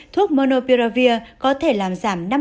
thuốc monopiravir là một loại thuốc khả thi khác